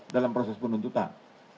dalam proses penuntutan